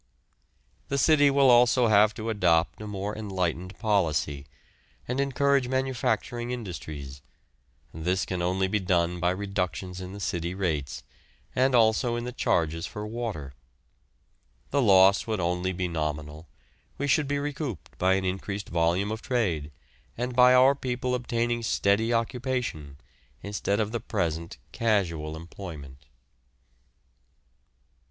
The city will also have to adopt a more enlightened policy, and encourage manufacturing industries. This can only be done by reductions in the city rates, and also in the charges for water. The loss would only be nominal; we should be recouped by an increased volume of trade, and by our people obtaining steady occupation instead of the present casual employment.